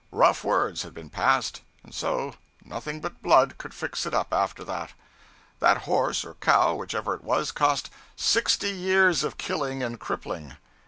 Rough words had been passed; and so, nothing but blood could fix it up after that. That horse or cow, whichever it was, cost sixty years of killing and crippling!